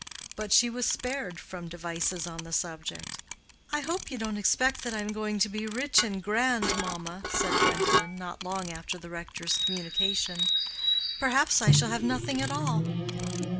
But she was spared from devices on the subject. "I hope you don't expect that I am going to be rich and grand, mamma," said Gwendolen, not long after the rector's communication; "perhaps I shall have nothing at all."